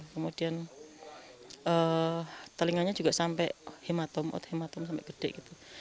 kemudian telinganya juga sampai hematom ot hematom sampai gede gitu